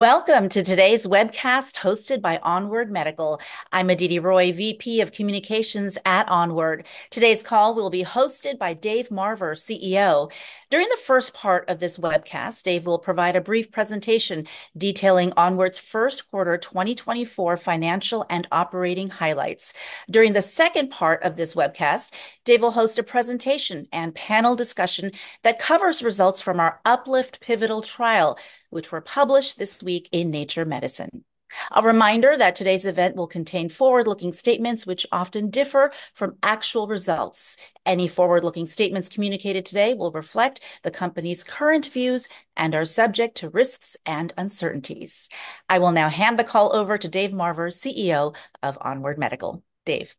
Welcome to today's webcast hosted by ONWARD Medical. I'm Aditi Roy, VP of Communications at ONWARD. Today's call will be hosted by Dave Marver, CEO. During the first part of this webcast, Dave will provide a brief presentation detailing ONWARD's first quarter 2024 financial and operating highlights. During the second part of this webcast, Dave will host a presentation and panel discussion that covers results from our Up-LIFT pivotal trial, which were published this week in Nature Medicine. A reminder that today's event will contain forward-looking statements which often differ from actual results. Any forward-looking statements communicated today will reflect the company's current views and are subject to risks and uncertainties. I will now hand the call over to Dave Marver, CEO of ONWARD Medical. Dave?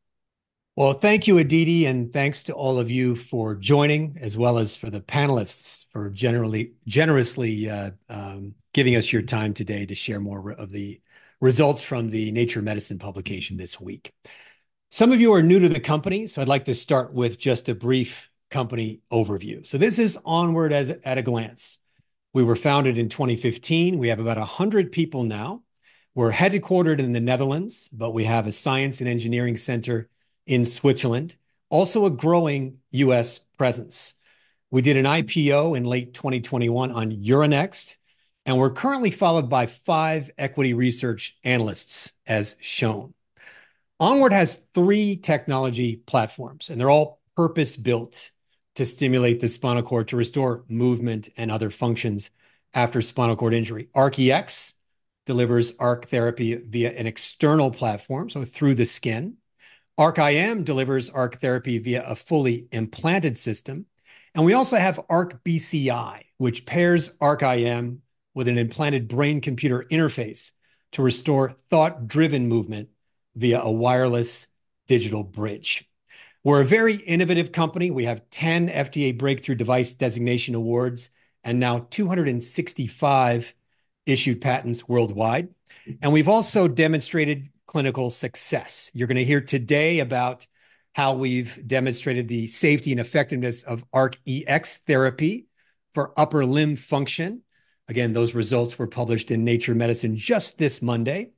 Well, thank you, Aditi, and thanks to all of you for joining, as well as for the panelists for generously giving us your time today to share more of the results from the Nature Medicine publication this week. Some of you are new to the company, so I'd like to start with just a brief company overview. So this is ONWARD at a glance. We were founded in 2015. We have about 100 people now. We're headquartered in the Netherlands, but we have a science and engineering center in Switzerland, also a growing U.S. presence. We did an IPO in late 2021 on Euronext, and we're currently followed by five equity research analysts, as shown. ONWARD has three technology platforms, and they're all purpose-built to stimulate the spinal cord to restore movement and other functions after spinal cord injury. ARC-EX delivers ARC Therapy via an external platform, so through the skin. ARC-IM delivers ARC Therapy via a fully implanted system, and we also have ARC-BCI, which pairs ARC-IM with an implanted brain-computer interface to restore thought-driven movement via a wireless digital bridge. We're a very innovative company. We have 10 FDA Breakthrough Device Designation awards and now 265 issued patents worldwide, and we've also demonstrated clinical success. You're gonna hear today about how we've demonstrated the safety and effectiveness of ARC-EX Therapy for upper limb function. Again, those results were published in Nature Medicine just this Monday,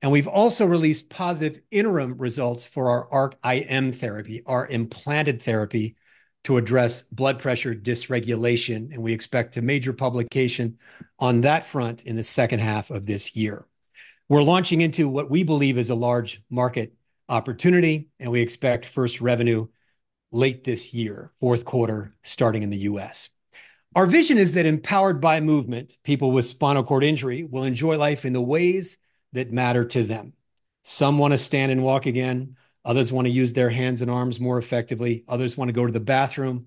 and we've also released positive interim results for our ARC-IM Therapy, our implanted therapy, to address blood pressure dysregulation, and we expect a major publication on that front in the second half of this year. We're launching into what we believe is a large market opportunity, and we expect first revenue late this year, fourth quarter, starting in the U.S. Our vision is that, empowered by movement, people with spinal cord injury will enjoy life in the ways that matter to them. Some want to stand and walk again, others want to use their hands and arms more effectively, others want to go to the bathroom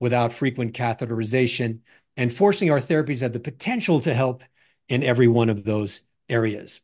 without frequent catheterization, and fortunately, our therapies have the potential to help in every one of those areas.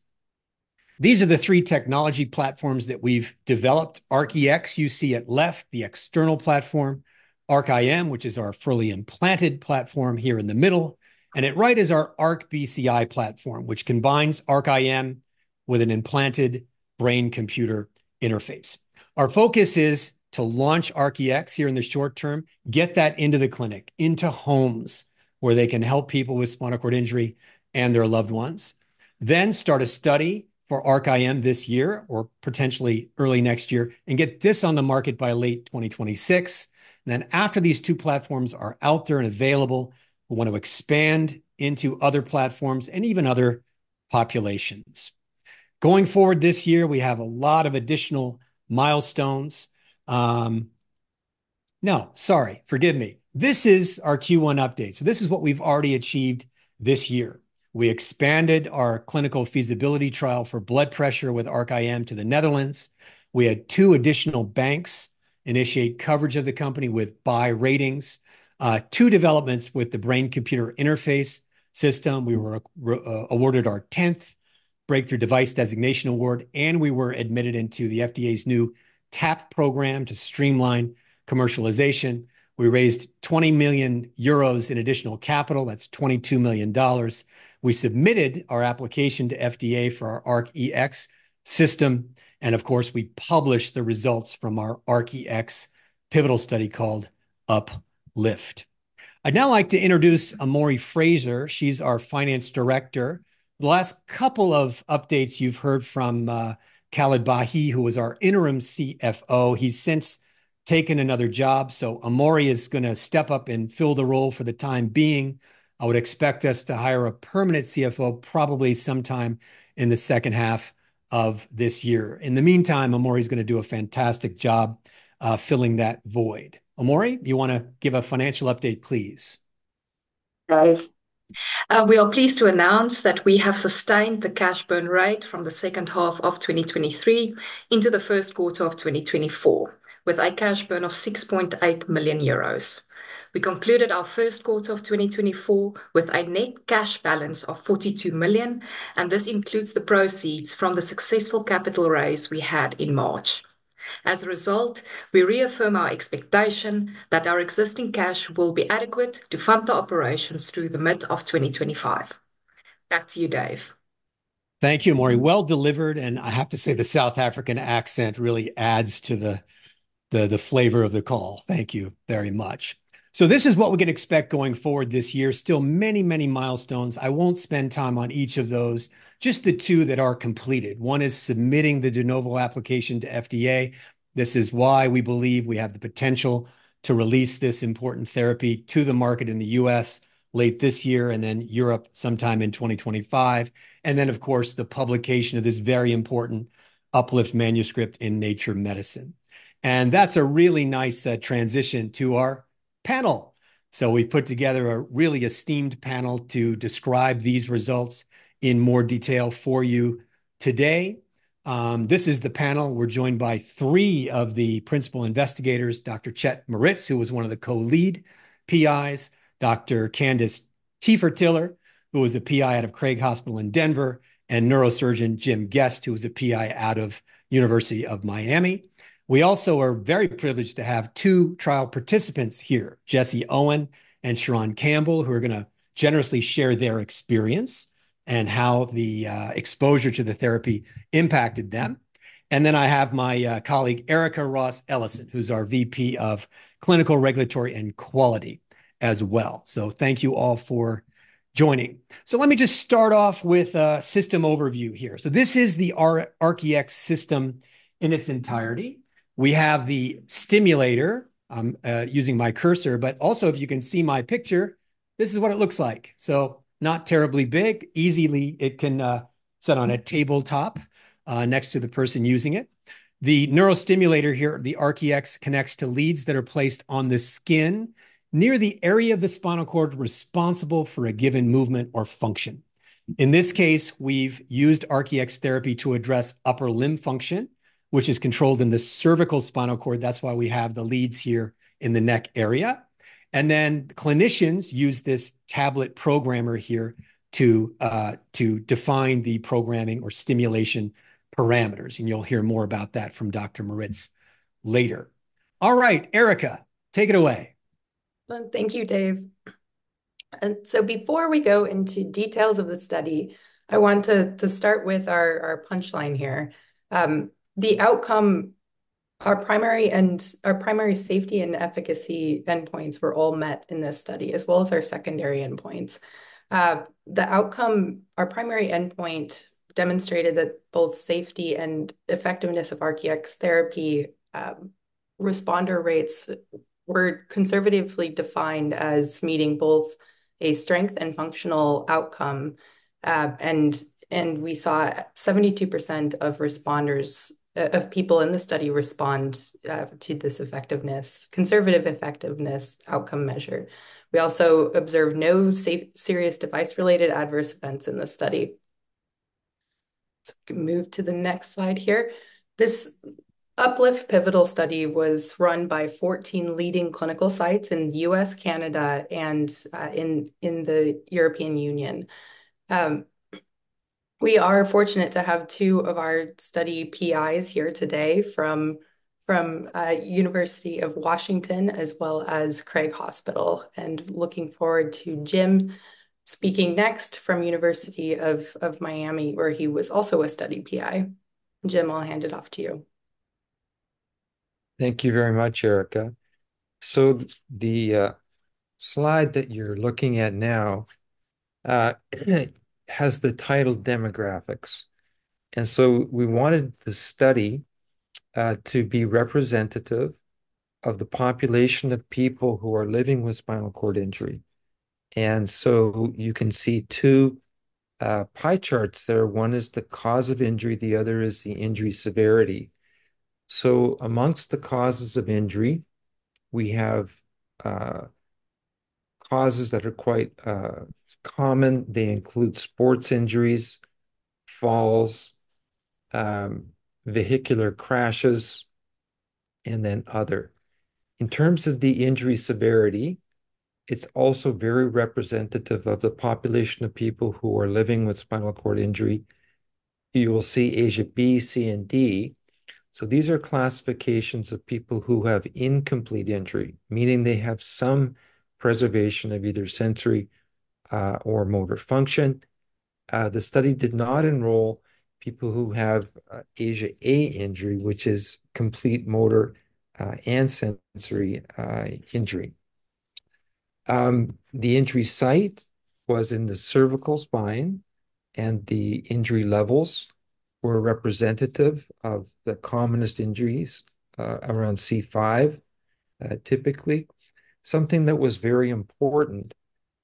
These are the three technology platforms that we've developed. ARC-EX, you see at left, the external platform. ARC-IM, which is our fully implanted platform, here in the middle. And at right is our ARC-BCI platform, which combines ARC-IM with an implanted brain-computer interface. Our focus is to launch ARC-EX here in the short term, get that into the clinic, into homes, where they can help people with spinal cord injury and their loved ones. Then start a study for ARC-IM this year, or potentially early next year, and get this on the market by late 2026. Then, after these two platforms are out there and available, we want to expand into other platforms and even other populations. Going forward this year, we have a lot of additional milestones. This is our Q1 update, so this is what we've already achieved this year. We expanded our clinical feasibility trial for blood pressure with ARC-IM to the Netherlands. We had two additional banks initiate coverage of the company with buy ratings. Two developments with the brain-computer interface system. We were awarded our 10th Breakthrough Device Designation award, and we were admitted into the FDA's new TAP program to streamline commercialization. We raised 20 million euros in additional capital. That's $22 million. We submitted our application to FDA for our ARC-EX system, and of course, we published the results from our ARC-EX pivotal study called Up-LIFT. I'd now like to introduce Amori Fraser. She's our Finance Director. The last couple of updates you've heard from Khaled Bahi, who was our Interim CFO. He's since taken another job, so Amori is gonna step up and fill the role for the time being. I would expect us to hire a permanent CFO probably sometime in the second half of this year. In the meantime, Amori's gonna do a fantastic job filling that void. Amori, do you wanna give a financial update, please? Hi. We are pleased to announce that we have sustained the cash burn rate from the second half of 2023 into the first quarter of 2024, with a cash burn of 6.8 million euros. We concluded our first quarter of 2024 with a net cash balance of 42 million, and this includes the proceeds from the successful capital raise we had in March. As a result, we reaffirm our expectation that our existing cash will be adequate to fund the operations through the mid of 2025. Back to you, Dave. Thank you, Amori. Well delivered, and I have to say, the South African accent really adds to the flavor of the call. Thank you very much. So this is what we can expect going forward this year. Still many, many milestones. I won't spend time on each of those, just the two that are completed. One is submitting the de novo application to FDA. This is why we believe we have the potential to release this important therapy to the market in the U.S. late this year, and then Europe sometime in 2025. And then, of course, the publication of this very important Up-LIFT manuscript in Nature Medicine. And that's a really nice transition to our panel. So we've put together a really esteemed panel to describe these results in more detail for you today. This is the panel. We're joined by three of the principal investigators, Dr. Chet Moritz, who was one of the co-lead PIs; Dr. Candace Tefertiller, who was a PI out of Craig Hospital in Denver; and neurosurgeon James Guest, who was a PI out of University of Miami. We also are very privileged to have two trial participants here, Jessie Owen and Sherown Campbell, who are gonna generously share their experience and how the exposure to the therapy impacted them. And then I have my colleague, Erika Ross, who's our VP of Clinical, Regulatory, and Quality as well. So thank you all for joining. So let me just start off with a system overview here. So this is the ARC-EX system in its entirety. We have the stimulator. I'm using my cursor, but also, if you can see my picture, this is what it looks like. So not terribly big. Easily, it can sit on a tabletop next to the person using it. The neurostimulator here, the ARC-EX, connects to leads that are placed on the skin near the area of the spinal cord responsible for a given movement or function. In this case, we've used ARC-EX therapy to address upper limb function, which is controlled in the cervical spinal cord, that's why we have the leads here in the neck area. And then clinicians use this tablet programmer here to define the programming or stimulation parameters, and you'll hear more about that from Dr. Moritz later. All right, Erika, take it away. Well, thank you, Dave. And so before we go into details of the study, I want to start with our punchline here. The outcome. Our primary safety and efficacy endpoints were all met in this study, as well as our secondary endpoints. The outcome, our primary endpoint demonstrated that both safety and effectiveness of ARC-EX Therapy, responder rates were conservatively defined as meeting both a strength and functional outcome. And we saw 72% of responders, of people in the study respond, to this effectiveness, conservative effectiveness outcome measure. We also observed no serious device-related adverse events in the study. Let's move to the next slide here. This Up-LIFT pivotal study was run by 14 leading clinical sites in U.S., Canada, and in the European Union. We are fortunate to have two of our study PIs here today from University of Washington, as well as Craig Hospital, and looking forward to Jim speaking next from University of Miami, where he was also a study PI. Jim, I'll hand it off to you. Thank you very much, Erika. So the slide that you're looking at now has the title Demographics. And so we wanted the study to be representative of the population of people who are living with spinal cord injury. And so you can see 2 pie charts there. One is the cause of injury, the other is the injury severity. So amongst the causes of injury, we have causes that are quite common. They include sports injuries, falls, vehicular crashes, and then other. In terms of the injury severity, it's also very representative of the population of people who are living with spinal cord injury. You will see ASIA B, C, and D. So these are classifications of people who have incomplete injury, meaning they have some preservation of either sensory or motor function. The study did not enroll people who have ASIA A injury, which is complete motor and sensory injury. The injury site was in the cervical spine, and the injury levels were representative of the commonest injuries around C5 typically. Something that was very important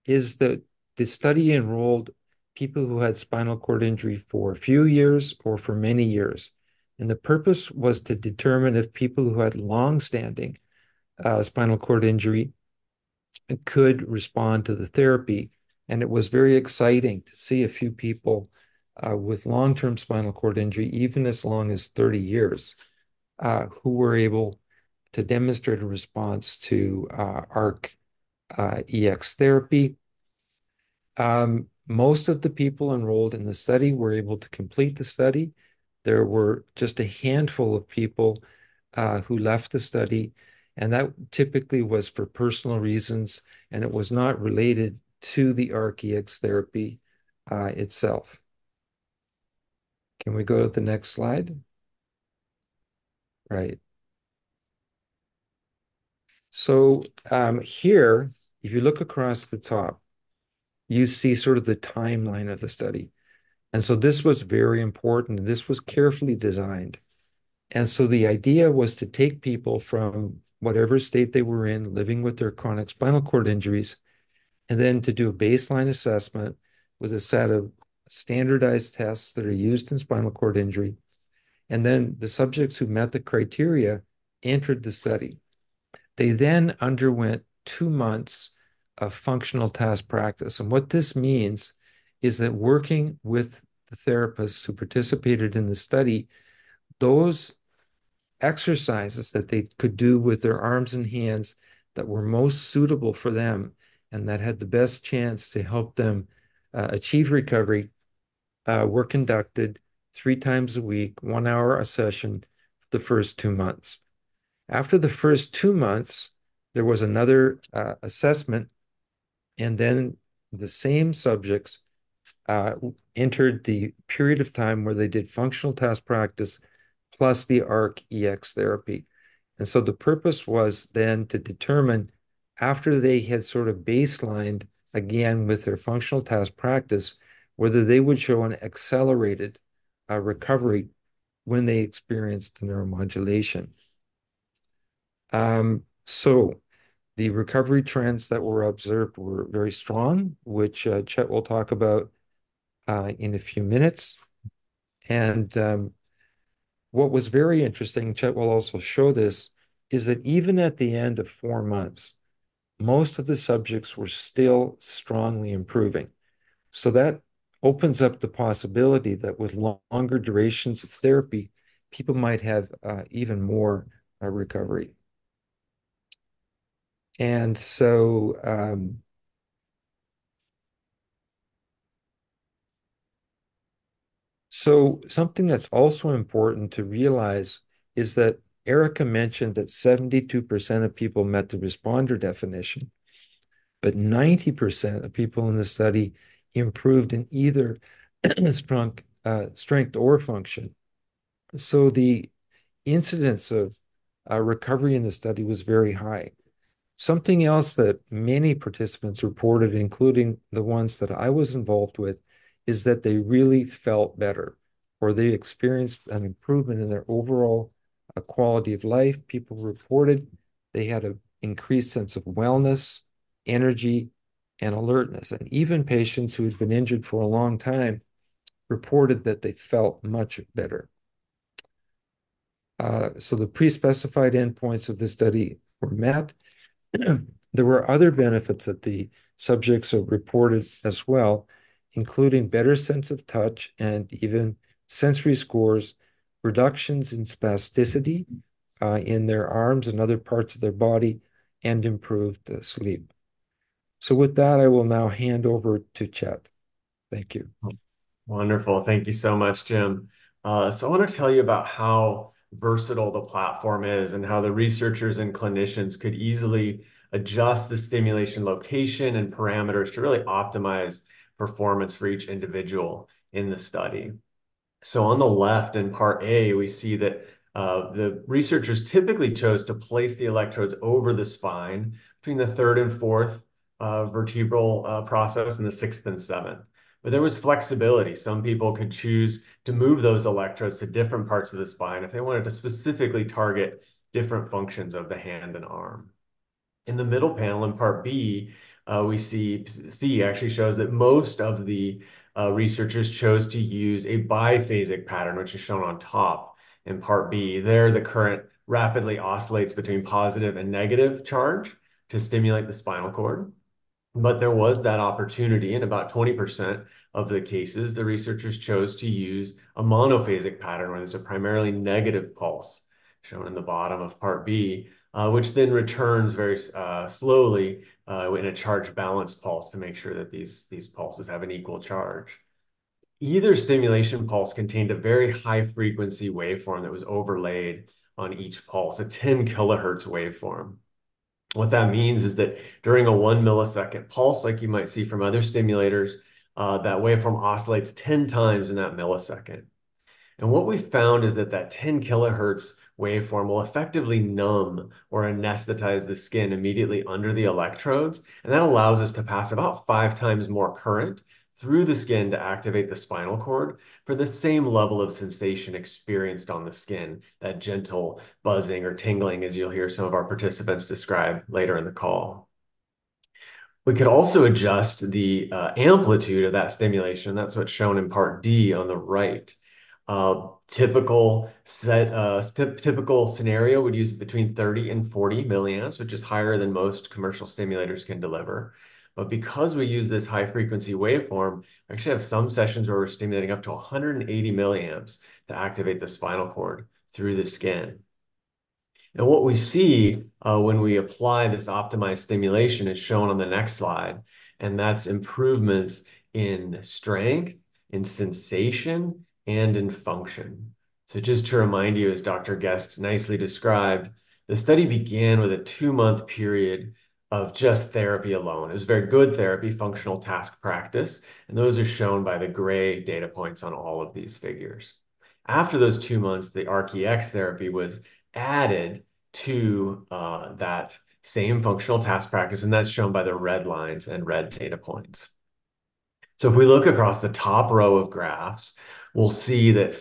is that the study enrolled people who had spinal cord injury for a few years or for many years, and the purpose was to determine if people who had long-standing spinal cord injury could respond to the therapy. It was very exciting to see a few people with long-term spinal cord injury, even as long as 30 years, who were able to demonstrate a response to ARC-EX therapy. Most of the people enrolled in the study were able to complete the study. There were just a handful of people who left the study, and that typically was for personal reasons, and it was not related to the ARC-EX therapy itself. Can we go to the next slide? Right. So, here, if you look across the top, you see sort of the timeline of the study, and so this was very important, and this was carefully designed. And so the idea was to take people from whatever state they were in, living with their chronic spinal cord injuries, and then to do a baseline assessment with a set of standardized tests that are used in spinal cord injury. And then the subjects who met the criteria entered the study. They then underwent two months of functional task practice, and what this means is that working with the therapists who participated in the study, those exercises that they could do with their arms and hands that were most suitable for them and that had the best chance to help them achieve recovery were conducted 3 times a week, 1 hour a session, the first two months. After the first two months, there was another assessment, and then the same subjects entered the period of time where they did functional task practice plus the ARC-EX therapy. And so the purpose was then to determine, after they had sort of baselined again with their functional task practice, whether they would show an accelerated recovery when they experienced the neuromodulation. So the recovery trends that were observed were very strong, which, Chet will talk about, in a few minutes. And, what was very interesting, Chet will also show this, is that even at the end of 4 months, most of the subjects were still strongly improving. So that opens up the possibility that with longer durations of therapy, people might have, even more recovery. And so, something that's also important to realize is that Erika mentioned that 72% of people met the responder definition, but 90% of people in the study improved in either strength or function. So the incidence of, recovery in the study was very high. Something else that many participants reported, including the ones that I was involved with, is that they really felt better, or they experienced an improvement in their overall quality-of-life. People reported they had an increased sense of wellness, energy, and alertness, and even patients who had been injured for a long time reported that they felt much better. So the pre-specified endpoints of the study were met. There were other benefits that the subjects reported as well, including better sense of touch and even sensory scores, reductions in spasticity in their arms and other parts of their body, and improved sleep. So with that, I will now hand over to Chet. Thank you. Wonderful. Thank you so much, Jim. So I want to tell you about how versatile the platform is and how the researchers and clinicians could easily adjust the stimulation location and parameters to really optimize performance for each individual in the study. So on the left, in part A, we see that, the researchers typically chose to place the electrodes over the spine between the third and fourth, vertebral process and the sixth and seventh. But there was flexibility. Some people could choose to move those electrodes to different parts of the spine if they wanted to specifically target different functions of the hand and arm. In the middle panel, in part B, we see. C actually shows that most of the, researchers chose to use a biphasic pattern, which is shown on top in part B. There, the current rapidly oscillates between positive and negative charge to stimulate the spinal cord. But there was that opportunity, in about 20% of the cases, the researchers chose to use a monophasic pattern, where there's a primarily negative pulse, shown in the bottom of part B, which then returns very slowly, in a charge balance pulse to make sure that these, these pulses have an equal charge. Either stimulation pulse contained a very high frequency waveform that was overlaid on each pulse, a 10 kHz waveform. What that means is that during a 1 ms pulse, like you might see from other stimulators, that waveform oscillates 10 times in that millisecond. What we found is that that 10 kHz waveform will effectively numb or anesthetize the skin immediately under the electrodes, and that allows us to pass about 5x more current through the skin to activate the spinal cord for the same level of sensation experienced on the skin, that gentle buzzing or tingling, as you'll hear some of our participants describe later in the call. We could also adjust the amplitude of that stimulation. That's what's shown in part D on the right. A typical scenario would use between 30 mA and 40 mA, which is higher than most commercial stimulators can deliver. But because we use this high-frequency waveform, we actually have some sessions where we're stimulating up to 180 mA to activate the spinal cord through the skin. And what we see when we apply this optimized stimulation is shown on the next slide, and that's improvements in strength, in sensation, and in function. So just to remind you, as Dr. Guest nicely described, the study began with a two-month period of just therapy alone. It was very good therapy, functional task practice, and those are shown by the gray data points on all of these figures. After those two months, the ARC-EX therapy was added to that same functional task practice, and that's shown by the red lines and red data points. So if we look across the top row of graphs, we'll see that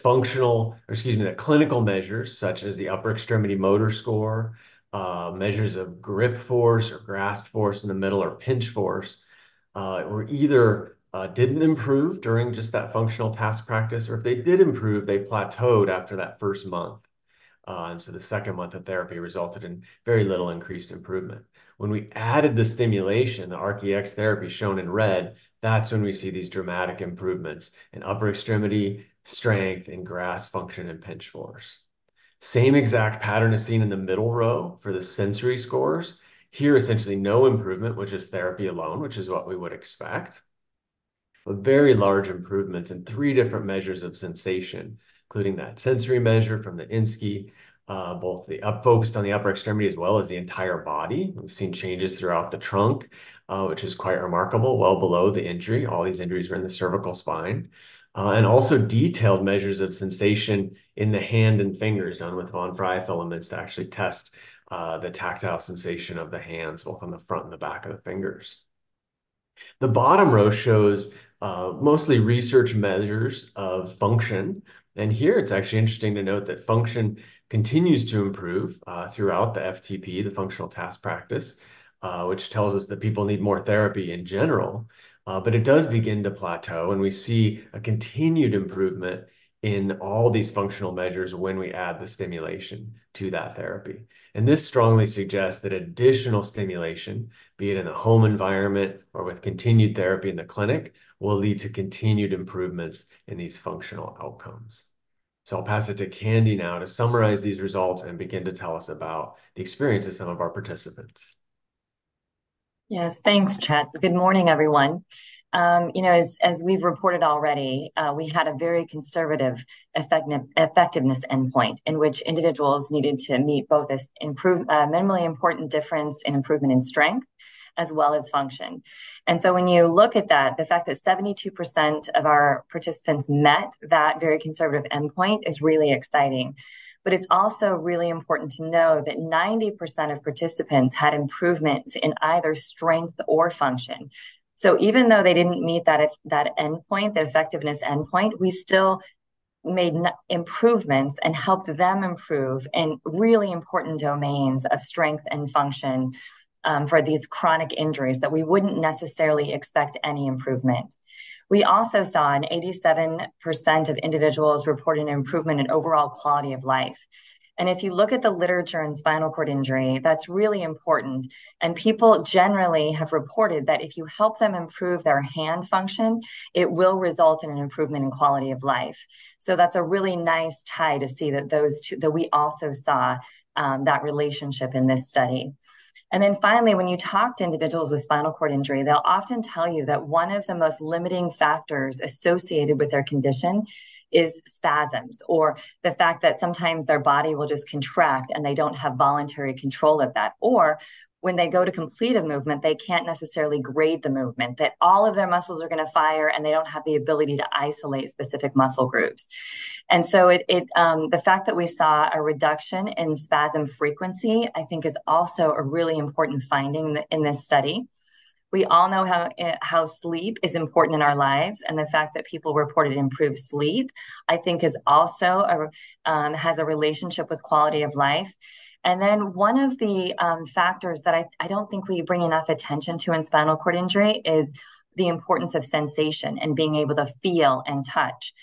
clinical measures, such as the upper extremity motor score, measures of grip force or grasp force in the middle or pinch force, were either didn't improve during just that functional task practice, or if they did improve, they plateaued after that first month. And so the second month of therapy resulted in very little increased improvement. When we added the stimulation, the ARC-EX therapy shown in red, that's when we see these dramatic improvements in upper extremity strength and grasp function, and pinch force. Same exact pattern is seen in the middle row for the sensory scores. Here, essentially no improvement, which is therapy alone, which is what we would expect. But very large improvements in three different measures of sensation, including that sensory measure from the ISNCSCI, both the up focused on the upper extremity as well as the entire body. We've seen changes throughout the trunk, which is quite remarkable, well below the injury. All these injuries are in the cervical spine. And also detailed measures of sensation in the hand and fingers done with von Frey filaments to actually test, the tactile sensation of the hands, both on the front and the back of the fingers. The bottom row shows, mostly research measures of function, and here it's actually interesting to note that function continues to improve, throughout the FTP, the functional task practice, which tells us that people need more therapy in general. But it does begin to plateau, and we see a continued improvement in all these functional measures when we add the stimulation to that therapy. And this strongly suggests that additional stimulation, be it in the home environment or with continued therapy in the clinic, will lead to continued improvements in these functional outcomes. So I'll pass it to Candy now to summarize these results and begin to tell us about the experience of some of our participants. Yes, thanks, Chet. Good morning, everyone. You know, as, as we've reported already, we had a very conservative effectiveness endpoint in which individuals needed to meet both this minimally important difference in improvement in strength as well as function. And so when you look at that, the fact that 72% of our participants met that very conservative endpoint is really exciting. But it's also really important to know that 90% of participants had improvements in either strength or function. So even though they didn't meet that endpoint, the effectiveness endpoint, we still made improvements and helped them improve in really important domains of strength and function, for these chronic injuries that we wouldn't necessarily expect any improvement. We also saw in 87% of individuals reporting an improvement in overall quality-of-life. And if you look at the literature in spinal cord injury, that's really important, and people generally have reported that if you help them improve their hand function, it will result in an improvement in quality-of-life. So that's a really nice tie to see that those two, that we also saw, that relationship in this study. And then finally, when you talk to individuals with spinal cord injury, they'll often tell you that one of the most limiting factors associated with their condition is spasms, or the fact that sometimes their body will just contract, and they don't have voluntary control of that. Or when they go to complete a movement, they can't necessarily grade the movement, that all of their muscles are gonna fire, and they don't have the ability to isolate specific muscle groups. And so the fact that we saw a reduction in spasm frequency, I think is also a really important finding in this study. We all know how sleep is important in our lives, and the fact that people reported improved sleep, I think is also has a relationship with quality-of-life. Then one of the factors that I don't think we bring enough attention to in spinal cord injury is the importance of sensation and being able to feel and touch.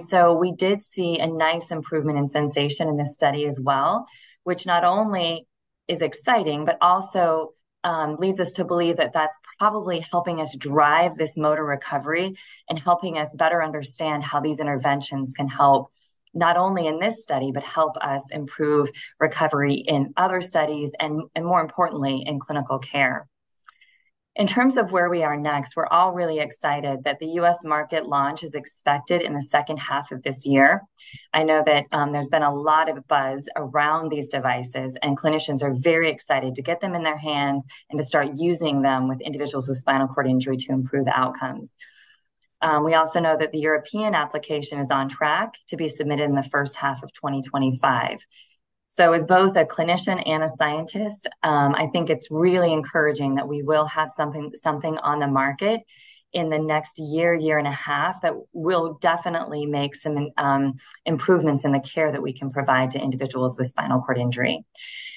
So we did see a nice improvement in sensation in this study as well, which not only is exciting, but also, leads us to believe that that's probably helping us drive this motor recovery and helping us better understand how these interventions can help, not only in this study, but help us improve recovery in other studies and, and more importantly, in clinical care. In terms of where we are next, we're all really excited that the U.S. market launch is expected in the second half of this year. I know that, there's been a lot of buzz around these devices, and clinicians are very excited to get them in their hands and to start using them with individuals with spinal cord injury to improve outcomes. We also know that the European application is on track to be submitted in the first half of 2025. So as both a clinician and a scientist, I think it's really encouraging that we will have something on the market in the next year and a half, that will definitely make some improvements in the care that we can provide to individuals with spinal cord injury.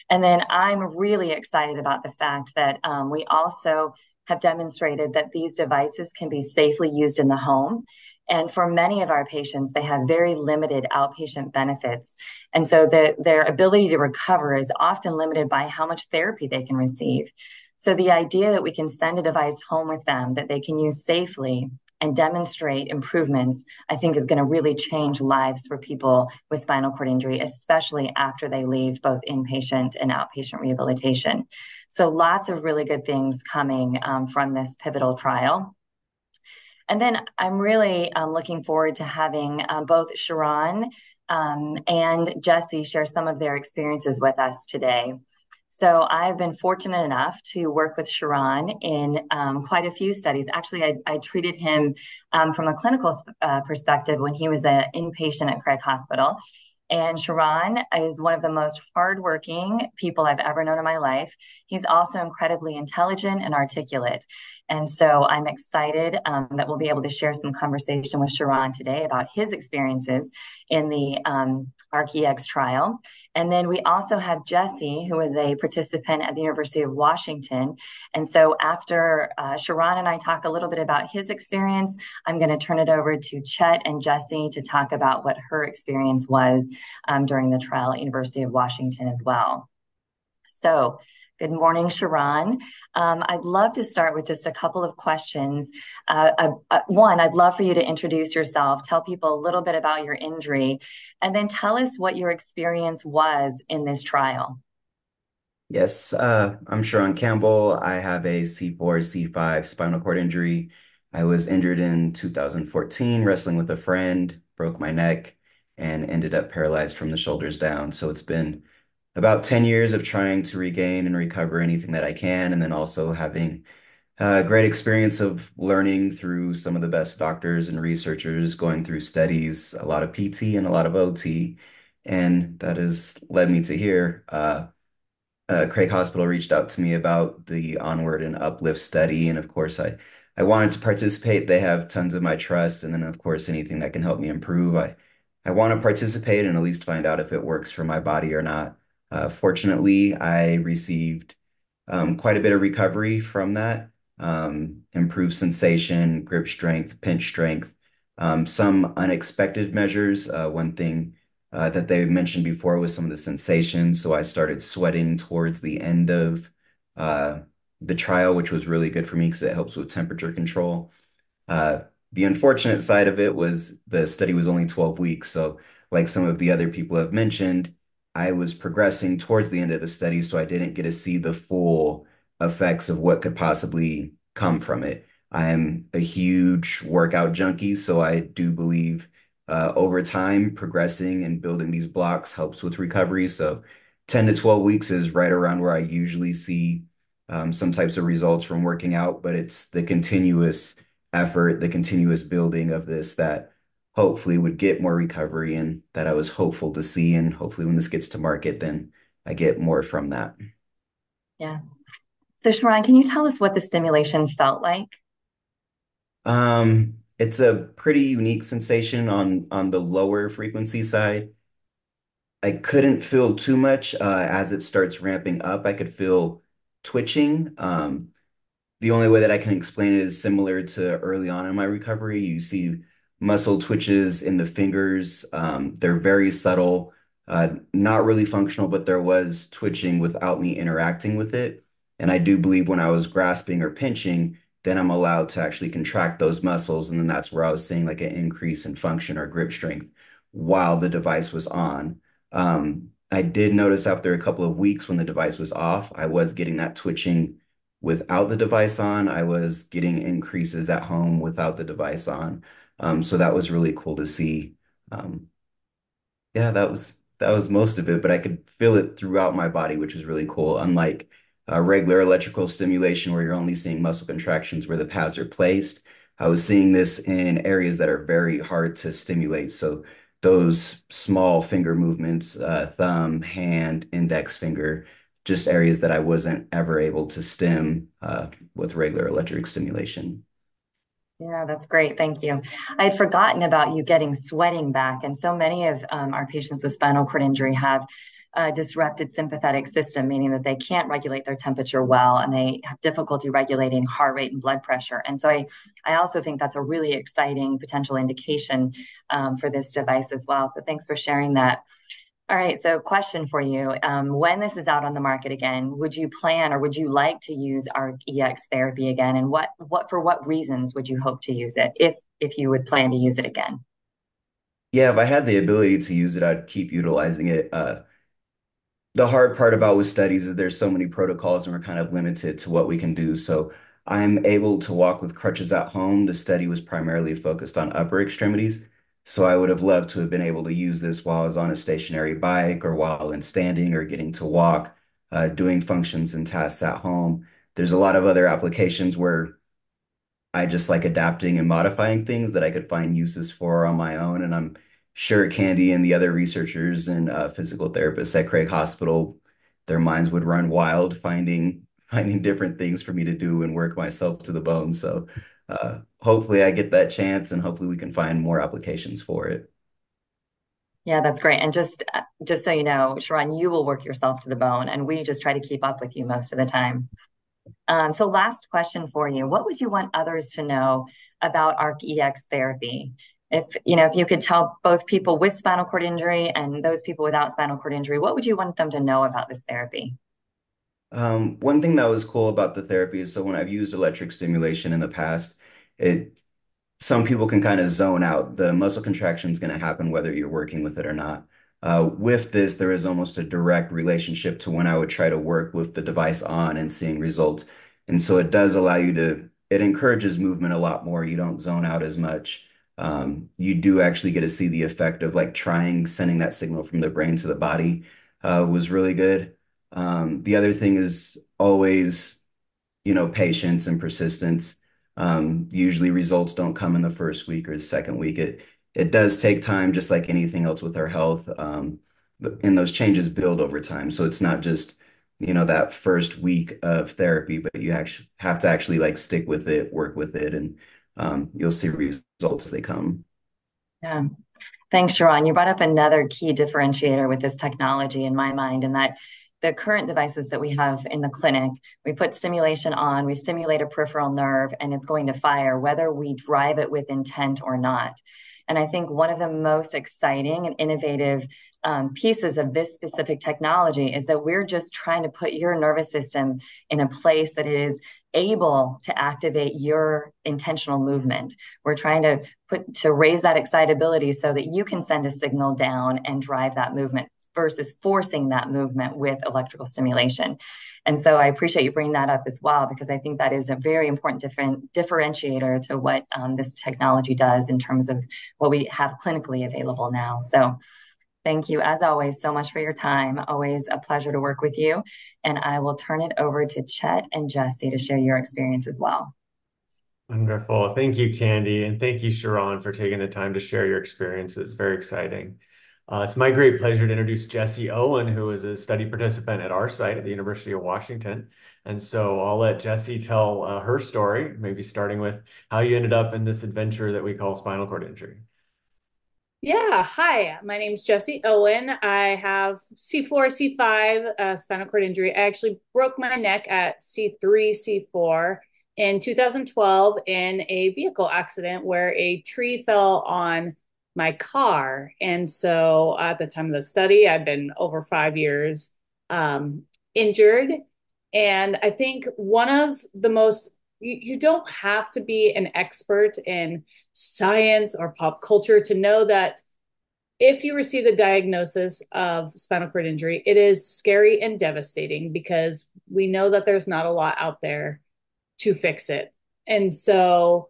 And then I'm really excited about the fact that we also have demonstrated that these devices can be safely used in the home, and for many of our patients, they have very limited outpatient benefits, and so their ability to recover is often limited by how much therapy they can receive. So the idea that we can send a device home with them, that they can use safely and demonstrate improvements, I think is gonna really change lives for people with spinal cord injury, especially after they leave both inpatient and outpatient rehabilitation. So lots of really good things coming from this pivotal trial. And then I'm really looking forward to having both Sherown and Jessie share some of their experiences with us today. So I've been fortunate enough to work with Sherown in quite a few studies. Actually, I treated him from a clinical perspective when he was an inpatient at Craig Hospital, and Sherown is one of the most hardworking people I've ever known in my life. He's also incredibly intelligent and articulate, and so I'm excited that we'll be able to share some conversation with Sherown today about his experiences in the ARC-EX trial. Then we also have Jessie, who is a participant at the University of Washington, and so after, Sherown and I talk a little bit about his experience, I'm gonna turn it over to Chet and Jessie to talk about what her experience was during the trial at University of Washington as well. Good morning, Sherown. I'd love to start with just a couple of questions. One, I'd love for you to introduce yourself, tell people a little bit about your injury, and then tell us what your experience was in this trial. Yes. I'm Sherown Campbell. I have a C4, C5 spinal cord injury. I was injured in 2014 wrestling with a friend, broke my neck and ended up paralyzed from the shoulders down. So it's been about 10 years of trying to regain and recover anything that I can, and then also having a great experience of learning through some of the best doctors and researchers, going through studies, a lot of PT and a lot of OT, and that has led me to here. Craig Hospital reached out to me about the ONWARD and Up-LIFT study, and of course, I, I wanted to participate. They have tons of my trust, and then, of course, anything that can help me improve, I want to participate and at least find out if it works for my body or not. Fortunately, I received quite a bit of recovery from that, improved sensation, grip strength, pinch strength, some unexpected measures. One thing that they had mentioned before was some of the sensations, so I started sweating towards the end of the trial, which was really good for me 'cause it helps with temperature control. The unfortunate side of it was the study was only 12 weeks, so like some of the other people have mentioned, I was progressing towards the end of the study, so I didn't get to see the full effects of what could possibly come from it. I'm a huge workout junkie, so I do believe over time, progressing and building these blocks helps with recovery. 10 to 12 weeks is right around where I usually see some types of results from working out, but it's the continuous effort, the continuous building of this that hopefully would get more recovery and that I was hopeful to see, and hopefully, when this gets to market, then I get more from that. Yeah. So, Sherown, can you tell us what the stimulation felt like? It's a pretty unique sensation on the lower frequency side. I couldn't feel too much. As it starts ramping up, I could feel twitching. The only way that I can explain it is similar to early on in my recovery. You see muscle twitches in the fingers. They're very subtle, not really functional, but there was twitching without me interacting with it, and I do believe when I was grasping or pinching, then I'm allowed to actually contract those muscles, and then that's where I was seeing, like, an increase in function or grip strength while the device was on. I did notice after a couple of weeks when the device was off, I was getting that twitching without the device on. I was getting increases at home without the device on, so that was really cool to see. Yeah, that was most of it, but I could feel it throughout my body, which was really cool. Unlike a regular electrical stimulation, where you're only seeing muscle contractions where the pads are placed, I was seeing this in areas that are very hard to stimulate, so those small finger movements, thumb, hand, index finger, just areas that I wasn't ever able to stim with regular electric stimulation. Yeah, that's great. Thank you. I'd forgotten about you getting sweating back, and so many of our patients with spinal cord injury have a disrupted sympathetic system, meaning that they can't regulate their temperature well, and they have difficulty regulating heart rate and blood pressure. And so I also think that's a really exciting potential indication for this device as well, so thanks for sharing that. All right, so question for you: When this is out on the market again, would you plan or would you like to use ARC-EX therapy again, and what for what reasons would you hope to use it if you would plan to use it again? Yeah, if I had the ability to use it, I'd keep utilizing it. The hard part about with studies is there's so many protocols, and we're kind of limited to what we can do. So I'm able to walk with crutches at home. The study was primarily focused on upper extremities, so I would have loved to have been able to use this while I was on a stationary bike or while in standing or getting to walk, doing functions and tasks at home. There's a lot of other applications where I just like adapting and modifying things that I could find uses for on my own, and I'm sure Candy and the other researchers and, physical therapists at Craig Hospital, their minds would run wild, finding, finding different things for me to do and work myself to the bone. So, hopefully, I get that chance, and hopefully, we can find more applications for it. Yeah, that's great, and just, just so you know, Sherown, you will work yourself to the bone, and we just try to keep up with you most of the time. So last question for you: What would you want others to know about ARC-EX therapy? If, you know, if you could tell both people with spinal cord injury and those people without spinal cord injury, what would you want them to know about this therapy? One thing that was cool about the therapy is, so when I've used electric stimulation in the past, some people can kind of zone out. The muscle contraction's gonna happen whether you're working with it or not. With this, there is almost a direct relationship to when I would try to work with the device on and seeing results, and so it encourages movement a lot more. You don't zone out as much. You do actually get to see the effect of, like, trying, sending that signal from the brain to the body, was really good. The other thing is always, you know, patience and persistence. Usually results don't come in the first week or the second week. It does take time, just like anything else with our health. And those changes build over time, so it's not just, you know, that first week of therapy, but you have to actually, like, stick with it, work with it, and you'll see results as they come. Yeah. Thanks, Sherown. You brought up another key differentiator with this technology in my mind, in that the current devices that we have in the clinic, we put stimulation on, we stimulate a peripheral nerve, and it's going to fire whether we drive it with intent or not. And I think one of the most exciting and innovative pieces of this specific technology is that we're just trying to put your nervous system in a place that is able to activate your intentional movement. We're trying to raise that excitability so that you can send a signal down and drive that movement versus forcing that movement with electrical stimulation. And so I appreciate you bringing that up as well because I think that is a very important differentiator to what this technology does in terms of what we have clinically available now. So thank you, as always, so much for your time. Always a pleasure to work with you, and I will turn it over to Chet and Jessie to share your experience as well. Wonderful. Thank you, Candy, and thank you, Sherown, for taking the time to share your experiences. Very exciting. It's my great pleasure to introduce Jessie Owen, who was a study participant at our site at the University of Washington. And so I'll let Jessie tell her story, maybe starting with how you ended up in this adventure that we call spinal cord injury. Yeah. Hi, my name's Jessie Owen. I have C4, C5, spinal cord injury. I actually broke my neck at C3, C4 in 2012 in a vehicle accident where a tree fell on my car. And so at the time of the study, I'd been over five years injured, and I think, one of the most, you don't have to be an expert in science or pop culture to know that if you receive a diagnosis of spinal cord injury, it is scary and devastating because we know that there's not a lot out there to fix it. And so,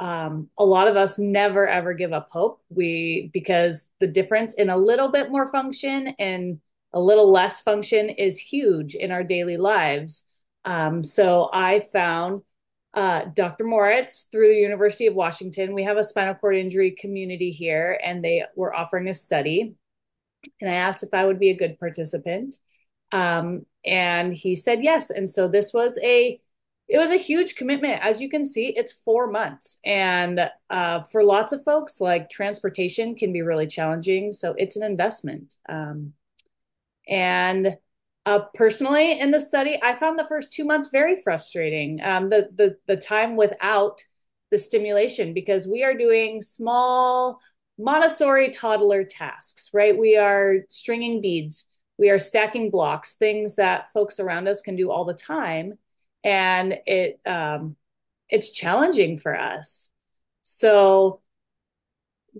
a lot of us never, ever give up hope. Because the difference in a little bit more function and a little less function is huge in our daily lives. So I found Dr. Moritz through the University of Washington. We have a spinal cord injury community here, and they were offering a study, and I asked if I would be a good participant. And he said yes, and so this was a huge commitment. As you can see, it's four months, and for lots of folks, like, transportation can be really challenging, so it's an investment. And personally in the study, I found the first two months very frustrating, the time without the stimulation, because we are doing small Montessori toddler tasks, right? We are stringing beads. We are stacking blocks, things that folks around us can do all the time, and it's challenging for us. So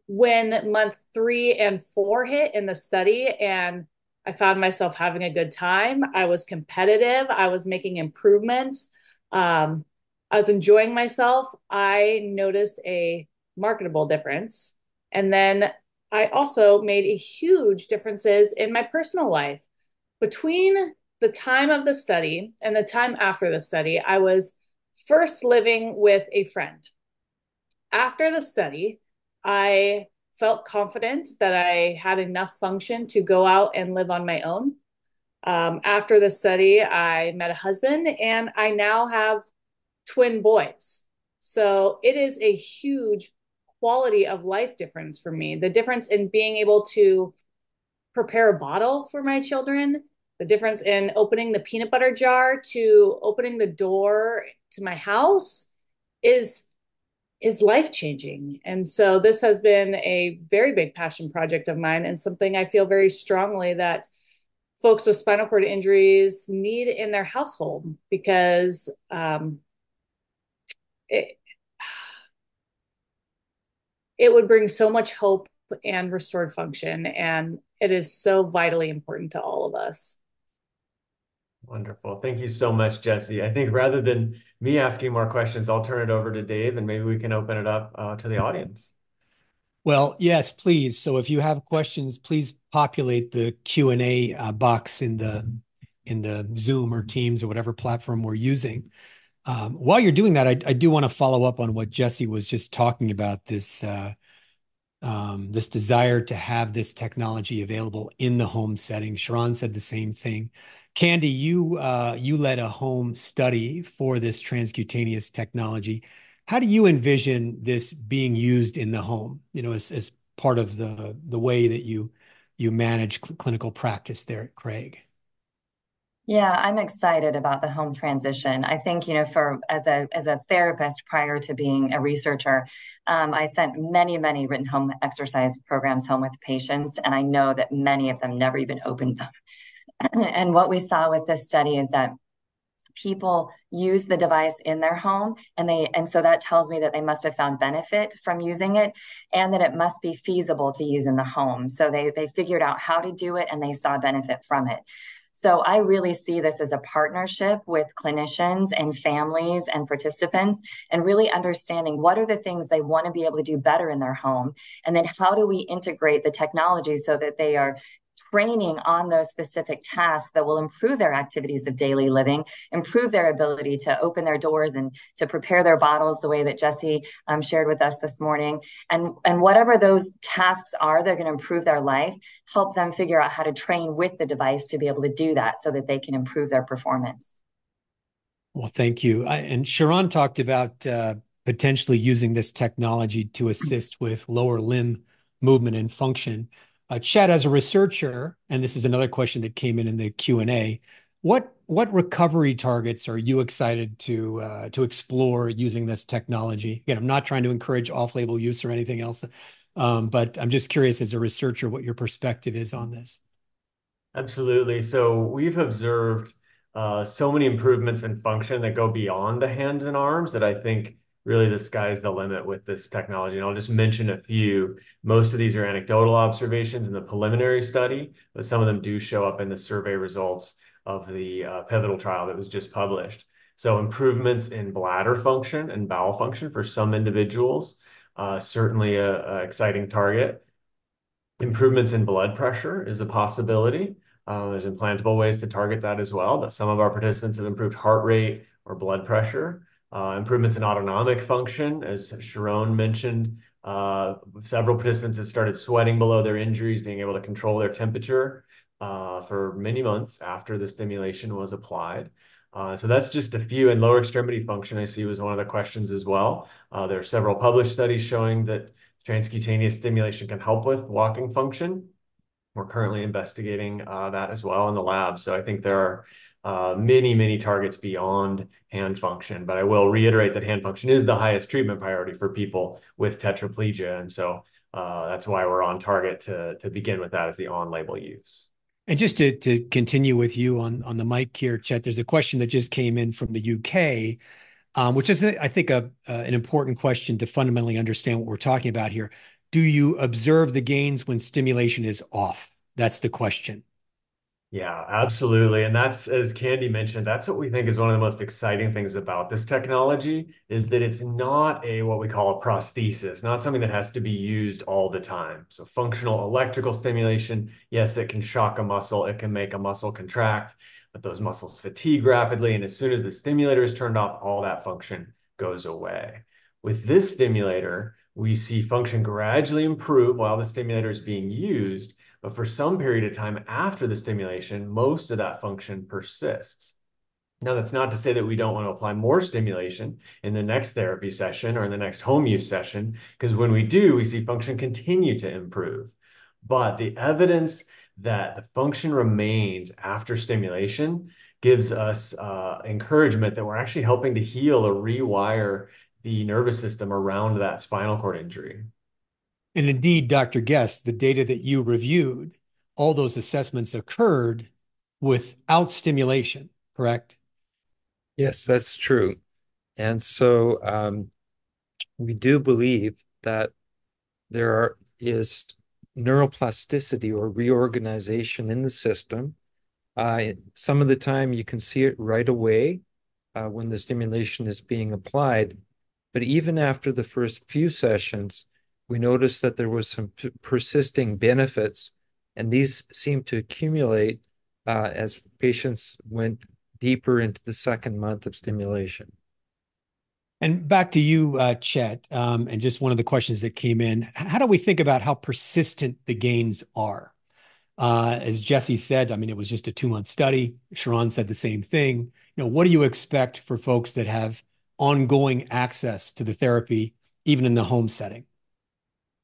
when month three and four hit in the study and I found myself having a good time, I was competitive, I was making improvements, I was enjoying myself. I noticed a remarkable difference, and then I also made a huge difference in my personal life. Between the time of the study and the time after the study, I was first living with a friend. After the study, I felt confident that I had enough function to go out and live on my own. After the study, I met a husband, and I now have twin boys, so it is a huge quality-of-life difference for me. The difference in being able to prepare a bottle for my children, the difference in opening the peanut butter jar, to opening the door to my house, is life-changing. So this has been a very big passion project of mine and something I feel very strongly that folks with spinal cord injuries need in their household because it would bring so much hope and restored function, and it is so vitally important to all of us. Wonderful. Thank you so much, Jessie. I think rather than me asking more questions, I'll turn it over to Dave, and maybe we can open it up to the audience. Well, yes, please. So if you have questions, please populate the Q&A box in the Zoom or Teams or whatever platform we're using. While you're doing that, I do wanna follow up on what Jessie was just talking about, this desire to have this technology available in the home setting. Sherown said the same thing. Candy, you led a home study for this transcutaneous technology. How do you envision this being used in the home, you know, as part of the way that you manage clinical practice there at Craig? Yeah, I'm excited about the home transition. I think, you know, as a therapist prior to being a researcher, I sent many, many written home exercise programs home with patients, and I know that many of them never even opened them. And what we saw with this study is that people use the device in their home, and so that tells me that they must have found benefit from using it, and that it must be feasible to use in the home. So they, they figured out how to do it, and they saw a benefit from it. So I really see this as a partnership with clinicians and families and participants, and really understanding what are the things they wanna be able to do better in their home, and then how do we integrate the technology so that they are training on those specific tasks that will improve their activities of daily living, improve their ability to open their doors and to prepare their bottles the way that Jessie shared with us this morning? And whatever those tasks are that are gonna improve their life, help them figure out how to train with the device to be able to do that, so that they can improve their performance. Well, thank you. And Sherown talked about potentially using this technology to assist with lower limb movement and function. Chet, as a researcher, and this is another question that came in in the Q&A, what recovery targets are you excited to explore using this technology? Again, I'm not trying to encourage off-label use or anything else, but I'm just curious, as a researcher, what your perspective is on this. Absolutely. So we've observed, so many improvements in function that go beyond the hands and arms, that I think, really, the sky is the limit with this technology, and I'll just mention a few. Most of these are anecdotal observations in the preliminary study, but some of them do show up in the survey results of the, pivotal trial that was just published. So improvements in bladder function and bowel function for some individuals, certainly an exciting target. Improvements in blood pressure is a possibility. There's implantable ways to target that as well, but some of our participants have improved heart rate or blood pressure. Improvements in autonomic function, as Sherown mentioned. Several participants have started sweating below their injuries, being able to control their temperature, for many months after the stimulation was applied. So that's just a few, and lower extremity function, I see, was one of the questions as well. There are several published studies showing that transcutaneous stimulation can help with walking function. We're currently investigating that as well in the lab. So I think there are many, many targets beyond hand function, but I will reiterate that hand function is the highest treatment priority for people with tetraplegia, and so, that's why we're on target to begin with that as the on-label use. And just to continue with you on the mic here, Chet, there's a question that just came in from the U.K., which is, I think, an important question to fundamentally understand what we're talking about here: Do you observe the gains when stimulation is off? That's the question. Yeah, absolutely, and that's, as Candy mentioned, that's what we think is one of the most exciting things about this technology, is that it's not what we call a prosthesis, not something that has to be used all the time. So functional electrical stimulation, yes, it can shock a muscle, it can make a muscle contract, but those muscles fatigue rapidly, and as soon as the stimulator is turned off, all that function goes away. With this stimulator, we see function gradually improve while the stimulator is being used, but for some period of time after the stimulation, most of that function persists. Now, that's not to say that we don't wanna apply more stimulation in the next therapy session or in the next home-use session, 'cause when we do, we see function continue to improve. The evidence that the function remains after stimulation gives us encouragement that we're actually helping to heal or rewire the nervous system around that spinal cord injury. Indeed, Dr. Guest, the data that you reviewed, all those assessments occurred without stimulation, correct? Yes, that's true. And so, we do believe that there is neuroplasticity or reorganization in the system. Some of the time, you can see it right away, when the stimulation is being applied, but even after the first few sessions, we noticed that there was some persisting benefits, and these seemed to accumulate, as patients went deeper into the second month of stimulation. And back to you, Chet, and just one of the questions that came in, how do we think about how persistent the gains are? As Jessie said, I mean, it was just a two-month study. Sherown said the same thing. You know, what do you expect for folks that have ongoing access to the therapy, even in the home setting?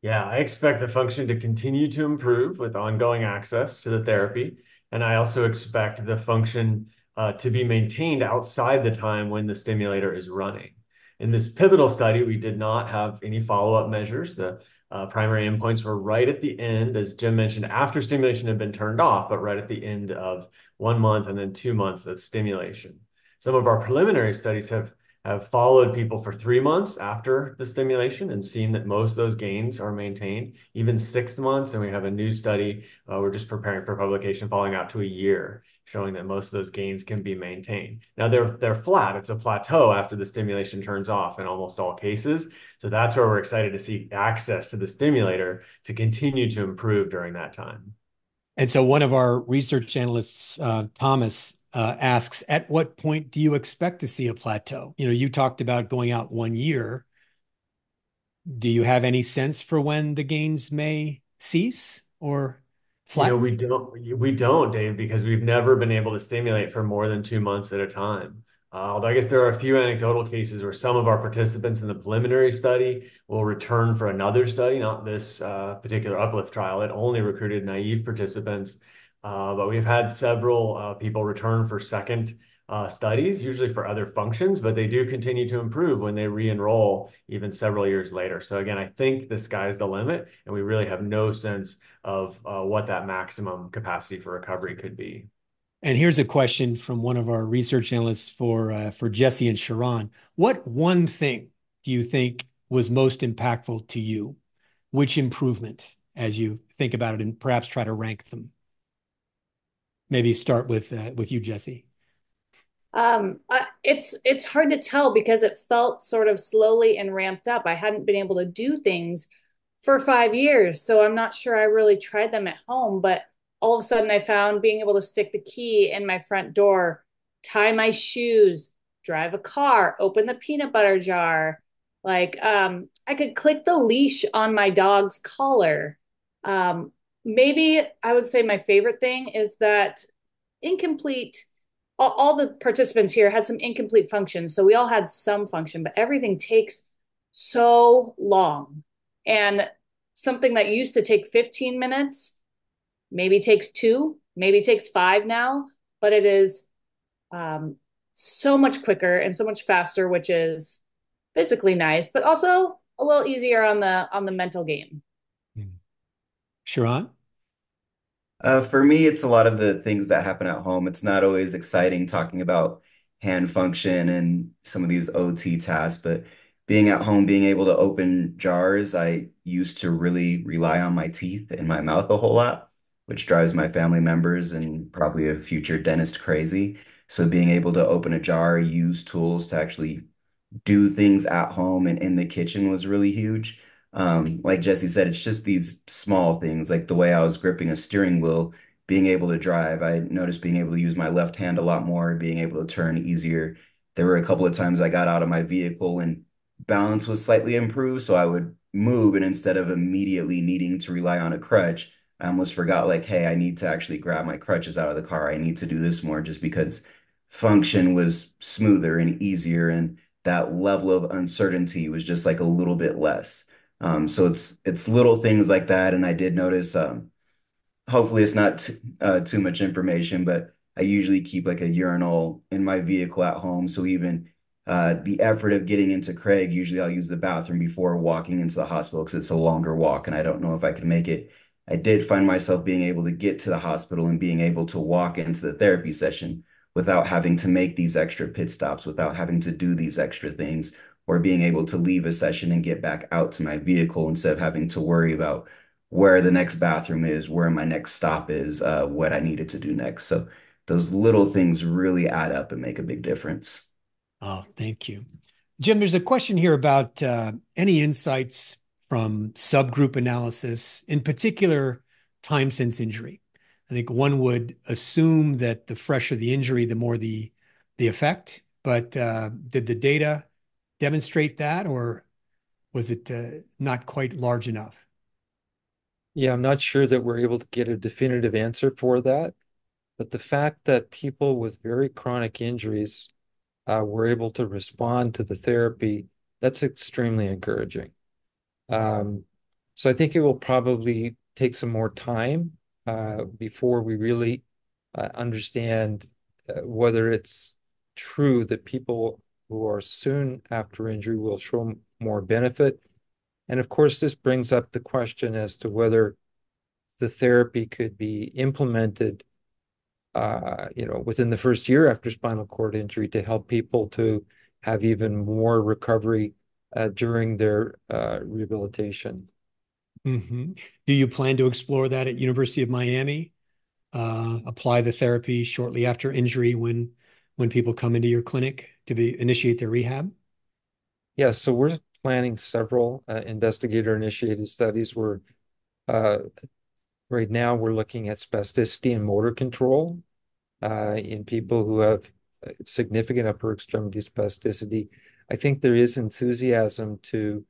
Yeah, I expect the function to continue to improve with ongoing access to the therapy, and I also expect the function to be maintained outside the time when the stimulator is running. In this pivotal study, we did not have any follow-up measures. The primary endpoints were right at the end, as Jim mentioned, after stimulation had been turned off, but right at the end of one month and then two months of stimulation. Some of our preliminary studies have followed people for three months after the stimulation and seen that most of those gains are maintained even six months, and we have a new study we're just preparing for publication, following out to a year, showing that most of those gains can be maintained. Now, they're flat. It's a plateau after the stimulation turns off in almost all cases, so that's where we're excited to see access to the stimulator to continue to improve during that time. One of our research analysts, Thomas, asks: At what point do you expect to see a plateau? You know, you talked about going out one year. Do you have any sense for when the gains may cease or flatten? No, we don't. We don't, Dave, because we've never been able to stimulate for more than two months at a time. But I guess there are a few anecdotal cases where some of our participants in the preliminary study will return for another study, not this particular Up-LIFT trial. It only recruited naive participants. But we've had several people return for second studies, usually for other functions, but they do continue to improve when they re-enroll even several years later. So again, I think the sky is the limit, and we really have no sense of what that maximum capacity for recovery could be. And here's a question from one of our research analysts for, for Jessie and Sherown. What one thing do you think was most impactful to you? Which improvement, as you think about it, and perhaps try to rank them? Maybe start with, with you, Jessie. It's hard to tell because it felt sort of slowly and ramped up. I hadn't been able to do things for five years, so I'm not sure I really tried them at home, but all of a sudden I found being able to stick the key in my front door, tie my shoes, drive a car, open the peanut butter jar. Like, I could click the leash on my dog's collar. Maybe I would say my favorite thing is that, incomplete, all the participants here had some incomplete function, so we all had some function, but everything takes so long, and something that used to take 15 minutes maybe takes two, maybe takes five now, but it is so much quicker and so much faster, which is physically nice, but also a little easier on the mental game. Mm. Sherown? For me, it's a lot of the things that happen at home. It's not always exciting talking about hand function and some of these OT tasks, but being at home, being able to open jars, I used to really rely on my teeth and my mouth a whole lot, which drives my family members and probably a future dentist crazy. So being able to open a jar, use tools to actually do things at home and in the kitchen was really huge. Like Jessie said, it's just these small things, like the way I was gripping a steering wheel, being able to drive. I noticed being able to use my left hand a lot more, being able to turn easier. There were a couple of times I got out of my vehicle, and balance was slightly improved, so I would move, and instead of immediately needing to rely on a crutch, I almost forgot, like, "Hey, I need to actually grab my crutches out of the car. I need to do this more," just because function was smoother and easier, and that level of uncertainty was just, like, a little bit less. So it's, it's little things like that, and I did notice, hopefully it's not too much information, but I usually keep, like, a urinal in my vehicle at home, so even the effort of getting into Craig, usually I'll use the bathroom before walking into the hospital 'cause it's a longer walk, and I don't know if I can make it. I did find myself being able to get to the hospital and being able to walk into the therapy session without having to make these extra pit stops, without having to do these extra things, or being able to leave a session and get back out to my vehicle instead of having to worry about where the next bathroom is, where my next stop is, what I needed to do next. So those little things really add up and make a big difference. Oh, thank you. Jim, there's a question here about any insights from subgroup analysis, in particular, time since injury. I think one would assume that the fresher the injury, the more the effect, but did the data demonstrate that, or was it not quite large enough? Yeah, I'm not sure that we're able to get a definitive answer for that, but the fact that people with very chronic injuries were able to respond to the therapy, that's extremely encouraging. So I think it will probably take some more time before we really understand whether it's true that people who are soon after injury will show more benefit. And of course, this brings up the question as to whether the therapy could be implemented, you know, within the first year after spinal cord injury to help people to have even more recovery during their rehabilitation. Mm-hmm. Do you plan to explore that at University of Miami, apply the therapy shortly after injury when people come into your clinic to initiate their rehab? Yes, so we're planning several investigator-initiated studies. We're right now looking at spasticity and motor control in people who have significant upper extremity spasticity. I think there is enthusiasm to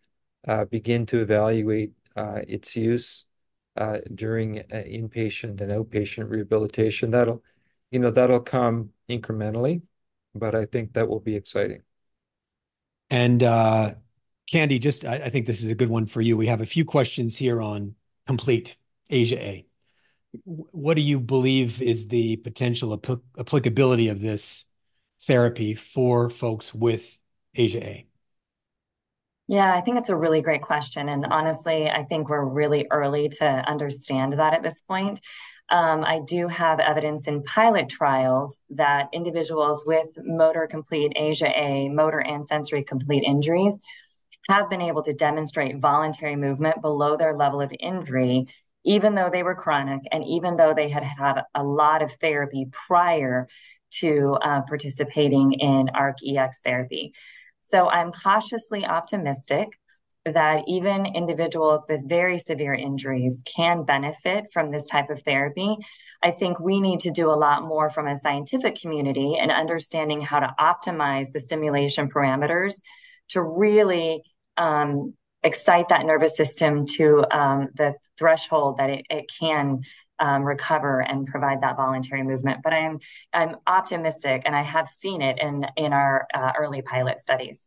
begin to evaluate its use during inpatient and outpatient rehabilitation. That'll, you know, that'll come incrementally, but I think that will be exciting. Candy, I think this is a good one for you. We have a few questions here on complete ASIA A. What do you believe is the potential applicability of this therapy for folks with ASIA A? Yeah, I think it's a really great question, and honestly, I think we're really early to understand that at this point. I do have evidence in pilot trials that individuals with motor complete ASIA A, motor and sensory complete injuries, have been able to demonstrate voluntary movement below their level of injury, even though they were chronic and even though they had had a lot of therapy prior to participating in ARC-EX therapy. So I'm cautiously optimistic that even individuals with very severe injuries can benefit from this type of therapy. I think we need to do a lot more from a scientific community in understanding how to optimize the stimulation parameters to really excite that nervous system to the threshold that it can recover and provide that voluntary movement. But I am, I'm optimistic, and I have seen it in our early pilot studies.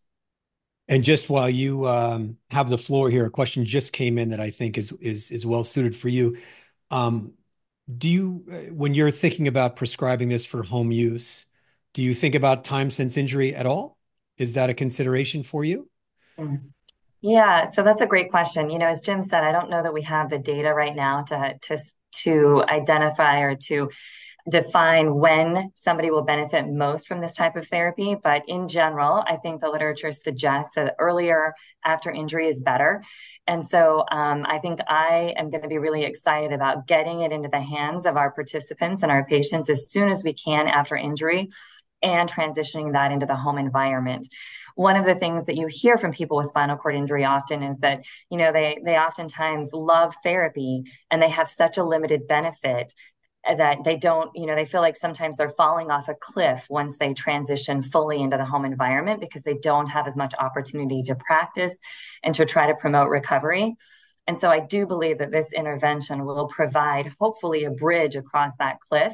Just while you have the floor here, a question just came in that I think is well-suited for you. When you're thinking about prescribing this for home use, do you think about time since injury at all? Is that a consideration for you? Yeah, so that's a great question. You know, as Jim said, I don't know that we have the data right now to identify or to define when somebody will benefit most from this type of therapy. But in general, I think the literature suggests that earlier after injury is better. And so, I think I am gonna be really excited about getting it into the hands of our participants and our patients as soon as we can after injury, and transitioning that into the home environment. One of the things that you hear from people with spinal cord injury often is that, you know, they oftentimes love therapy, and they have such a limited benefit, and that they feel like sometimes they're falling off a cliff once they transition fully into the home environment because they don't have as much opportunity to practice and to try to promote recovery. And so I do believe that this intervention will provide, hopefully, a bridge across that cliff,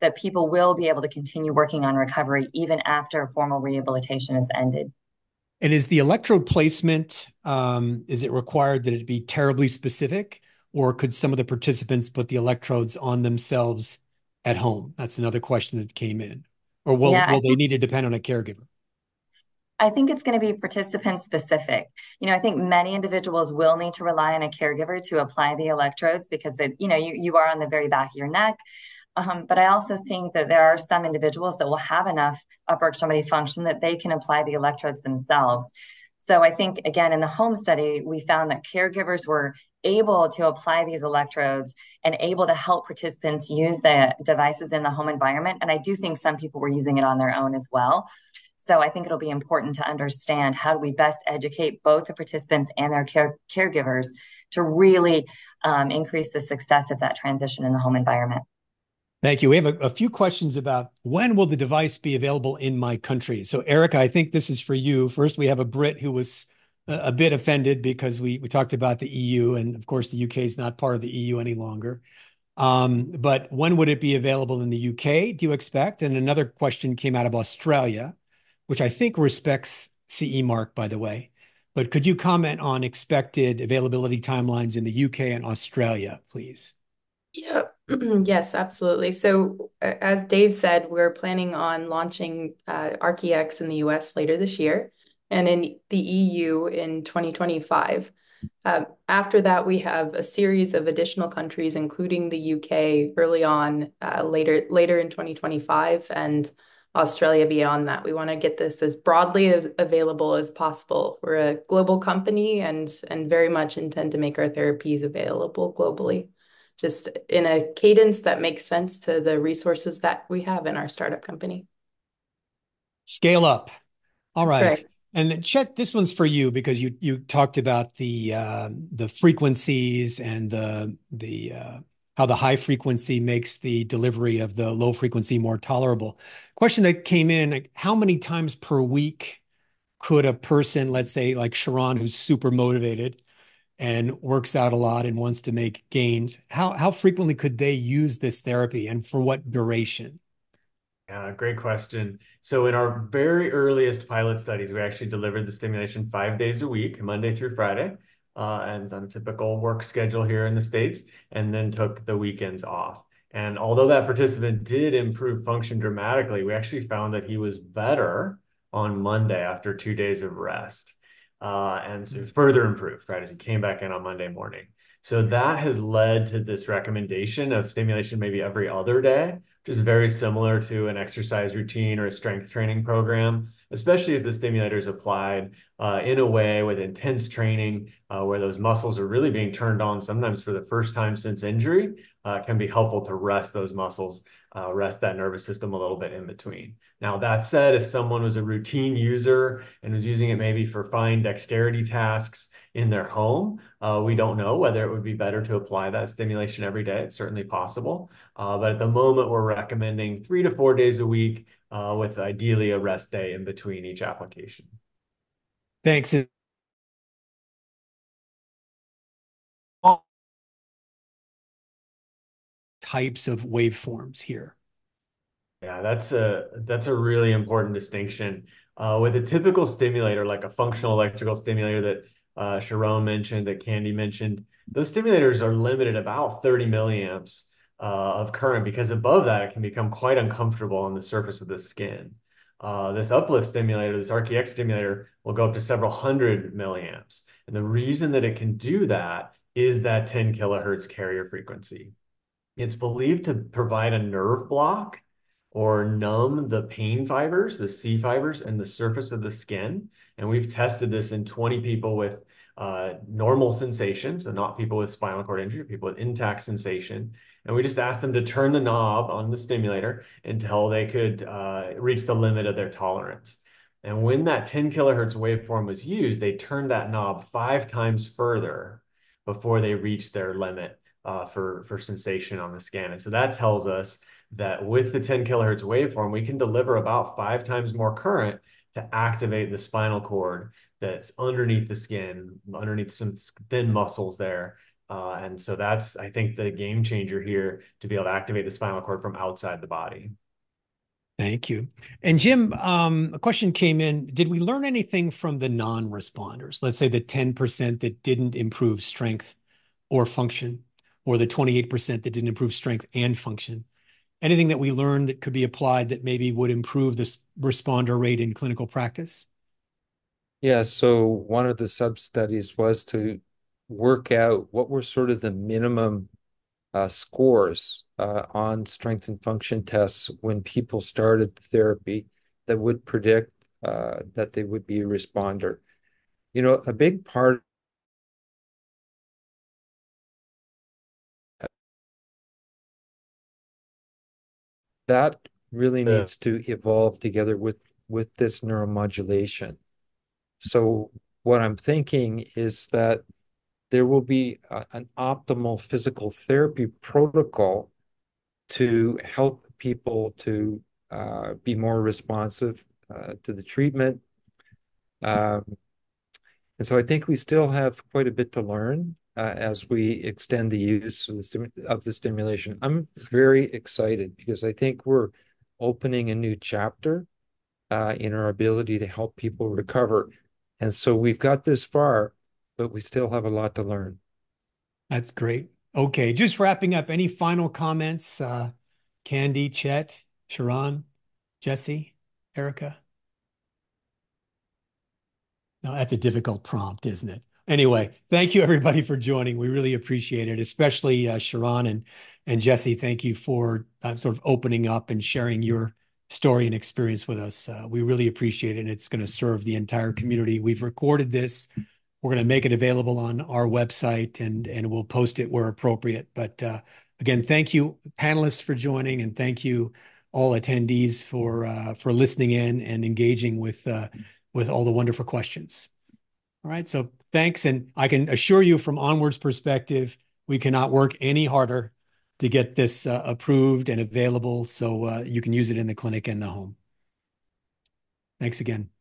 that people will be able to continue working on recovery even after formal rehabilitation has ended. Is the electrode placement, is it required that it be terribly specific, or could some of the participants put the electrodes on themselves at home? That's another question that came in. Yeah, I- Or will they need to depend on a caregiver? I think it's gonna be participant specific. You know, I think many individuals will need to rely on a caregiver to apply the electrodes because they, you know, you are on the very back of your neck. But I also think that there are some individuals that will have enough upper extremity function that they can apply the electrodes themselves. So I think, again, in the home study, we found that caregivers were able to apply these electrodes and able to help participants use the devices in the home environment, and I do think some people were using it on their own as well. So I think it'll be important to understand how do we best educate both the participants and their caregivers to really increase the success of that transition in the home environment. Thank you. We have a few questions about: When will the device be available in my country? So, Erika, I think this is for you. First, we have a Brit who was a bit offended because we talked about the EU, and of course, the U.K. is not part of the EU any longer. But when would it be available in the U.K., do you expect? And another question came out of Australia, which I think respects CE mark, by the way. But could you comment on expected availability timelines in the U.K. and Australia, please? Yeah. Yes, absolutely. So as Dave said, we're planning on launching ARC-EX in the U.S. later this year, and in the EU in 2025. After that, we have a series of additional countries, including the U.K., early on, later, later in 2025, and Australia beyond that. We wanna get this as broadly available as possible. We're a global company and very much intend to make our therapies available globally, just in a cadence that makes sense to the resources that we have in our start-up company. Scale up. That's right. All right. And then, Chet, this one's for you because you talked about the frequencies and how the high frequency makes the delivery of the low frequency more tolerable. Question that came in: How many times per week could a person, let's say, like Sherown, who's super motivated and works out a lot and wants to make gains, how frequently could they use this therapy, and for what duration? Yeah, great question. So in our very earliest pilot studies, we actually delivered the stimulation five days a week, Monday through Friday, and on a typical work schedule here in the States, and then took the weekends off. And although that participant did improve function dramatically, we actually found that he was better on Monday, after two days of rest, and so further improved, right, as he came back in on Monday morning. So that has led to this recommendation of stimulation maybe every other day, which is very similar to an exercise routine or a strength training program. Especially if the stimulator is applied, in a way with intense training, where those muscles are really being turned on, sometimes for the first time since injury, it can be helpful to rest those muscles, rest that nervous system a little bit in between. Now, that said, if someone was a routine user and was using it maybe for fine dexterity tasks in their home, we don't know whether it would be better to apply that stimulation every day. It's certainly possible. But at the moment, we're recommending three to four days a week, with ideally a rest day in between each application. Thanks [inaudible] types of waveforms here. Yeah, that's a really important distinction. With a typical stimulator, like a functional electrical stimulator that Sherown mentioned, that Candace mentioned, those stimulators are limited about 30 milliamps of current, because above that, it can become quite uncomfortable on the surface of the skin. This Up-LIFT stimulator, this ARC-EX stimulator, will go up to several hundred milliamps, and the reason that it can do that is that 10 kilohertz carrier frequency. It's believed to provide a nerve block or numb the pain fibers, the C fibers, in the surface of the skin, and we've tested this in 20 people with normal sensations, so not people with spinal cord injury, people with intact sensation. And we just asked them to turn the knob on the stimulator until they could reach the limit of their tolerance. When that 10 kHz waveform was used, they turned that knob 5 times further before they reached their limit for sensation on the skin. And so that tells us that with the 10 kHz waveform, we can deliver about 5 times more current to activate the spinal cord that's underneath the skin, underneath some thin muscles there. And so that's, I think, the game changer here, to be able to activate the spinal cord from outside the body. Thank you. And Jim, a question came in: Did we learn anything from the non-responders? Let's say the 10% that didn't improve strength or function or the 28% that didn't improve strength and function? Anything that we learned that could be applied that maybe would improve this responder rate in clinical practice? Yeah, so one of the sub-studies was to work out what were sort of the minimum scores on strength and function tests when people started the therapy that would predict that they would be a responder. You know, a big part [inaudible] that really needs to evolve together with this neuromodulation. So what I'm thinking is that there will be an optimal physical therapy protocol to help people to be more responsive to the treatment. And so I think we still have quite a bit to learn as we extend the use of the stimulation. I'm very excited, because I think we're opening a new chapter in our ability to help people recover. And so we've got this far, but we still have a lot to learn. That's great. Okay, just wrapping up, any final comments, Candy, Chet, Sherown, Jessie, Erika? Now, that's a difficult prompt, isn't it? Anyway, thank you everybody for joining. We really appreciate it, especially, Sherown and Jessie, thank you for sort of opening up and sharing your story and experience with us. We really appreciate it, and it's gonna serve the entire community. We've recorded this. We're gonna make it available on our website, and we'll post it where appropriate. But again, thank you, panelists, for joining, and thank you all attendees for listening in and engaging with all the wonderful questions. All right, so thanks, and I can assure you from ONWARD's perspective, we cannot work any harder to get this approved and available, so you can use it in the clinic and the home. Thanks again.